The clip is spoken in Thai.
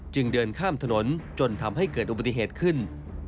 เดินข้ามถนนจนทำให้เกิดอุบัติเหตุขึ้น